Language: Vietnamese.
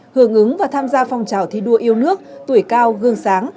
hưởng ứng và tham gia phong trào thi đua yêu nước tuổi cao gương sáng